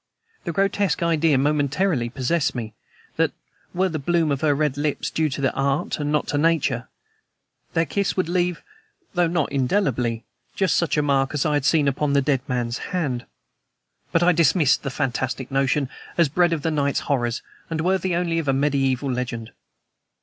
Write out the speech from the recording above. The grotesque idea momentarily possessed me that, were the bloom of her red lips due to art and not to nature, their kiss would leave though not indelibly just such a mark as I had seen upon the dead man's hand. But I dismissed the fantastic notion as bred of the night's horrors, and worthy only of a mediaeval legend.